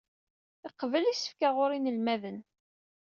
Iqebbel isefka sɣur yinelmaden.